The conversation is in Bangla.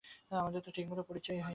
আমাদের তো ঠিকমতো পরিচয়ই হয়নি।